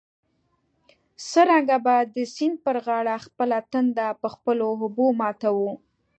څرنګه به د سیند پر غاړه خپله تنده په خپلو اوبو ماتوو.